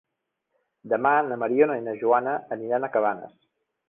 Demà na Mariona i na Joana aniran a Cabanes.